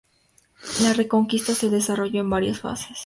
La Reconquista se desarrolló en varias fases.